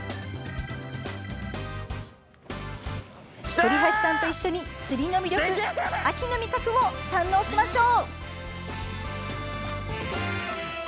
反橋さんと一緒に釣りの魅力、秋の味覚を堪能しましょう！